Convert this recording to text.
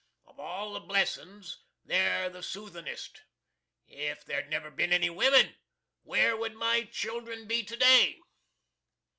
Of all the blessins they're the soothinist. If there'd never bin any wimin, where would my children be to day?